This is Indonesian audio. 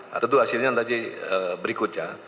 nah tentu hasilnya nanti berikutnya